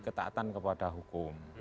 ketatan kepada hukum